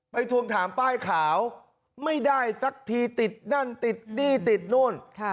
ทวงถามป้ายขาวไม่ได้สักทีติดนั่นติดหนี้ติดนู่น